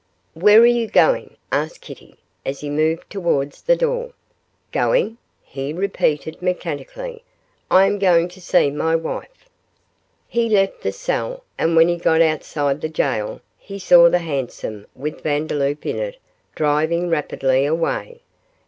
'Where are you going?' asked Kitty, as he moved towards the door. 'Going?' he repeated, mechanically. 'I am going to see my wife.' He left the cell, and when he got outside the gaol he saw the hansom with Vandeloup in it driving rapidly away.